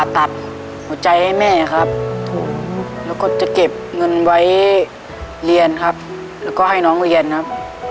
ลูกน้องเวียนครับ